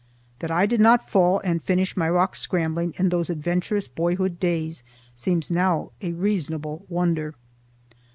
That I did not fall and finish my rock scrambling in those adventurous boyhood days seems now a reasonable wonder.